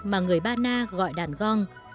mà người ba na gọi đàn gong